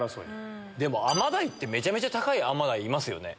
でもアマダイってめちゃめちゃ高いのいますよね。